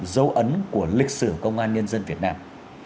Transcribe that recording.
dấu ấn của lịch sử công an nhân dân việt nam